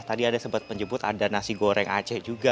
tadi ada sebut penyebut ada nasi goreng aceh juga